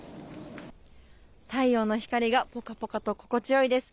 太陽の光がポカポカと心地よいです。